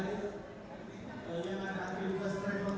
yang ada di luar tersebut